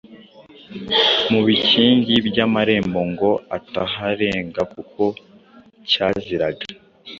mu bikingi by’amarembo ngo ataharenga kuko cyaziraga,